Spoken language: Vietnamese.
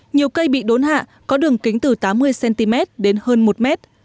nhiều cây bị đốn hạ có đường kính từ tám mươi cm đến hơn một m